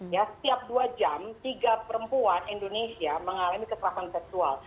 ya setiap dua jam tiga perempuan indonesia mengalami kekerasan seksual